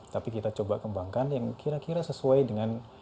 tapi kita coba kembangkan yang kira kira sesuai dengan